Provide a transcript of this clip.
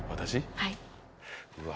はいうわ